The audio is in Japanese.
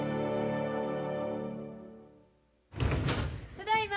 ただいま。